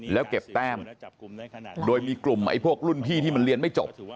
แล้วเก็บแต้มโดยมีกลุ่มไอ้พวกรุ่นพี่ที่มันเรียนไม่จบ